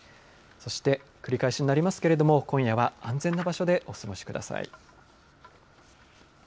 そして、繰り返しになりますけれども、今夜は安全な場所でお過ごしください。